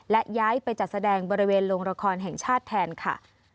และย้ายไปจัดแสดงบริเวณโรงละครแห่งชาติแทนค่ะ